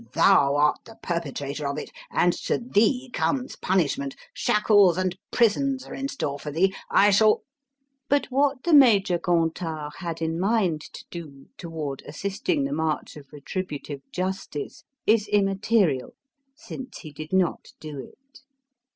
Thou art the perpetrator of it and to thee comes punishment! Shackles and prisons are in store for thee! I shall " But what the Major Gontard had in mind to do toward assisting the march of retributive justice is immaterial since he did not do it.